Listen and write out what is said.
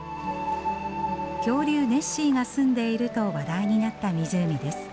恐竜ネッシーが住んでいると話題になった湖です。